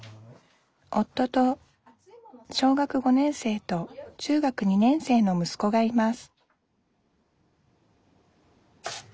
夫と小学５年生と中学２年生のむすこがいます